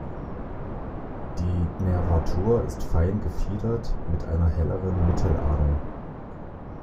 Die Nervatur ist fein gefiedert, mit einer helleren Mittelader.